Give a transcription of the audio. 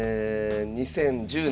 ２０１０年。